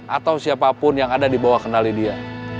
atau siapapun yang ada di bawah kendali dia